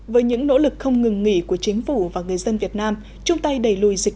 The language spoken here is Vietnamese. với những nỗ lực không ngừng nghỉ của chính phủ và người dân việt nam chung tay đẩy lùi dịch